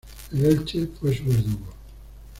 El Elche fue su verdugo.